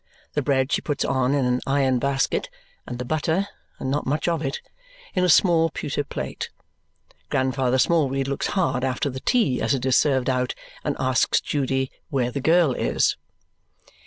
The bread she puts on in an iron basket, and the butter (and not much of it) in a small pewter plate. Grandfather Smallweed looks hard after the tea as it is served out and asks Judy where the girl is.